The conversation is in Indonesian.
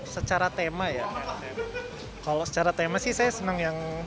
secara tema ya kalau secara tema sih saya senang yang